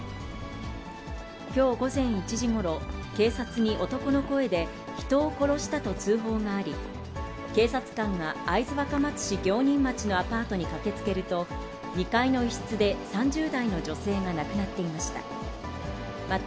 きょう午前１時ごろ、警察に男の声で、人を殺したと通報があり、警察官が会津若松市行仁町のアパートに駆けつけると、２階の一室で、３０代の女性が亡くなっていました。